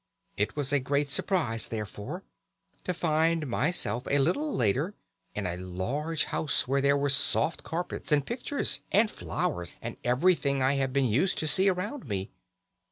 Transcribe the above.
It was a great surprise, therefore, to find myself a little later in a large house where there were soft carpets, and pictures, and flowers, and everything I have been used to see around me.